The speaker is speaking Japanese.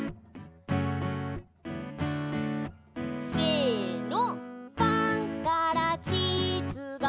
せの。